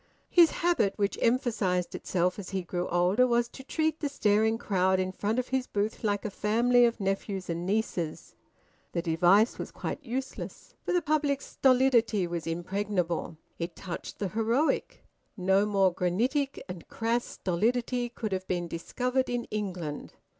His habit, which emphasised itself as he grew older, was to treat the staring crowd in front of his booth like a family of nephews and nieces. The device was quite useless, for the public's stolidity was impregnable. It touched the heroic. No more granitic and crass stolidity could have been discovered in England.